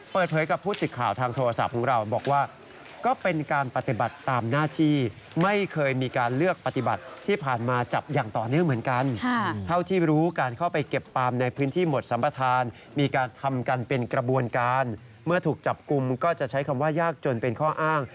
เปิดเผยกับผู้สินค้าทางโทรศาสตร์ของเราบอกว่า